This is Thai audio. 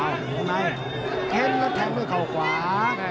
วงในเค้นแล้วแทงด้วยเข่าขวา